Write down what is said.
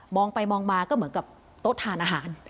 ไปมองมาก็เหมือนกับโต๊ะทานอาหาร